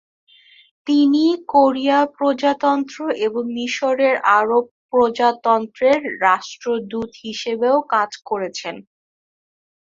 তিনি কোরিয়া প্রজাতন্ত্র এবং মিশরের আরব প্রজাতন্ত্রে রাষ্ট্রদূত হিসেবেও কাজ করেছেন।